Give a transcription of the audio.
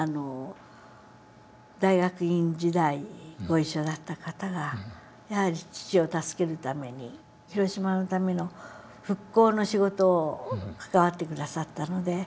大学院時代ご一緒だった方がやはり父を助けるために広島のための復興の仕事を関わって下さったので。